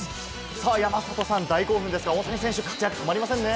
山里さん、大興奮ですが、活躍止まりませんね。